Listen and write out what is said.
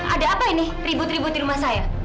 ada apa ini ribut ribut di rumah saya